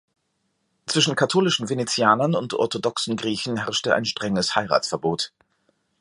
Zwischen katholischen Venezianern und orthodoxen Griechen herrschte ein strenges Heiratsverbot.